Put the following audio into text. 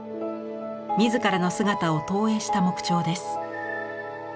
自らの姿を投影した木彫です。